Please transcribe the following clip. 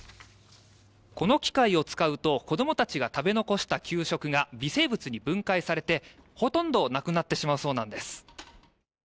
この機械を使うと子どもたちが食べ残した給食が微生物に分解されて、ほとんどなくなってしまうそうなんです。